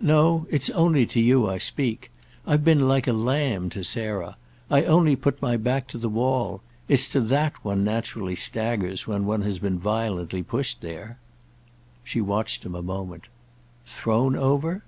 "No—it's only to you I speak. I've been like a lamb to Sarah. I've only put my back to the wall. It's to that one naturally staggers when one has been violently pushed there." She watched him a moment. "Thrown over?"